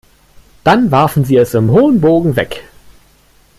Dann warfen sie es im hohen Bogen weg.